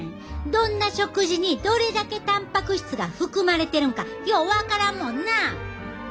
どんな食事にどれだけたんぱく質が含まれてるんかよう分からんもんな！